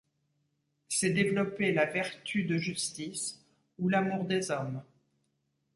C'est développer la vertu de justice ou l'amour des hommes.